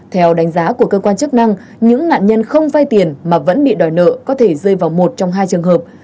theo đánh giá của cơ quan chức năng những nạn nhân không vay tiền mà vẫn bị đòi nợ có thể rơi vào một trong hai trường hợp